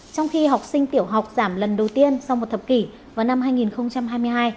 trong khi học sinh tiểu học giảm lần đầu tiên sau một thập kỷ vào năm hai nghìn hai mươi hai